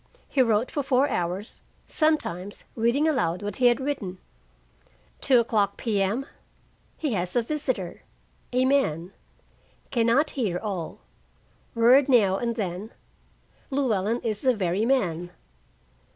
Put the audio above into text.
He wrote for four hours, sometimes reading aloud what he had written. 2:00 P.M. He has a visitor, a man. Can not hear all word now and then. "Llewellyn is the very man."